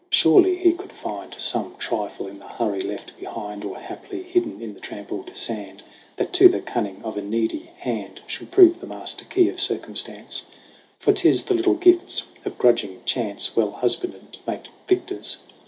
Surely he could find Some trifle in the hurry left behind Or haply hidden in the trampled sand That to the cunning of a needy hand Should prove the master key of circumstance : For 'tis the little gifts of grudging Chance, Well husbanded, make victors.